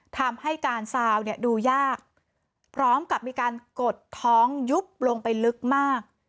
ทำให้การซาวเนี่ยดูยากพร้อมกับมีการกดท้องยุบลงไปลึกมาก